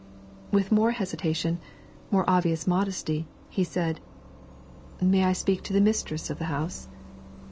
With more hesitation, more obvious modesty, he said 'May I speak to the mistress of the house?'